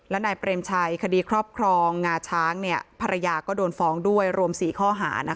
และนายเปรมชัยคดีครอบครองงาช้างภรรยาก็โดนฟ้องด้วยรวม๔ข้อหา